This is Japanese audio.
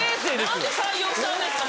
何で採用したんですか。